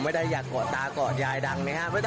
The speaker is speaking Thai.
ไม่ได้อยากกอดตากอดยายดังนะฮะ